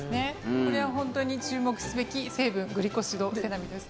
これは本当に注目すべき成分グルコシルセラミドです。